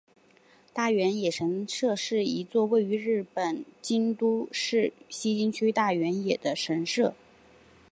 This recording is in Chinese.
大原野神社是一座位于日本京都市西京区大原野的神社。